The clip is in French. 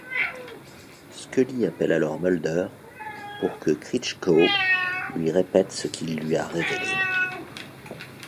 Scully appelle alors Mulder pour que Kritschgau lui répète ce qu'il lui a révélé.